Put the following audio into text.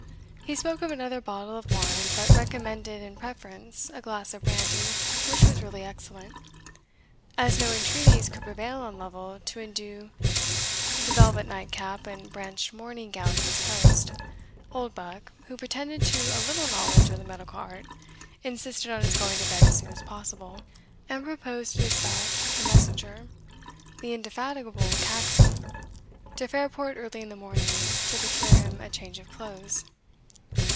He spoke of another bottle of wine, but recommended in preference a glass of brandy which was really excellent. As no entreaties could prevail on Lovel to indue the velvet night cap and branched morning gown of his host, Oldbuck, who pretended to a little knowledge of the medical art, insisted on his going to bed as soon as possible, and proposed to despatch a messenger (the indefatigable Caxon) to Fairport early in the morning, to procure him a change of clothes.